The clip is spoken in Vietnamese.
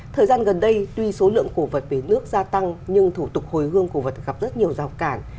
thời gian gần đây tuy số lượng cổ vật về nước gia tăng nhưng thủ tục hồi hương cổ vật gặp rất nhiều rào cản